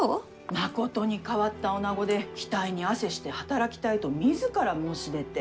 まことに変わったおなごで額に汗して働きたいと自ら申し出て。